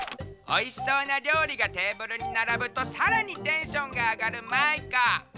おいしそうなりょうりがテーブルにならぶとさらにテンションがあがるマイカ。